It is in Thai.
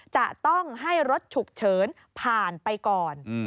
จะต้องให้รถฉุกเฉินผ่านไปก่อน